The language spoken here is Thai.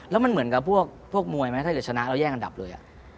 แล้วมันเหมือนกับพวกมวยไหมถ้าเกิดชนะเราแย่งอันดับเลย